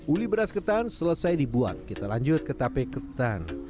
uli beras ketan selesai dibuat kita lanjut ke tape ketan